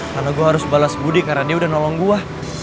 karena gue harus balas budi karena dia udah nolong gue